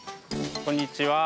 こんにちは。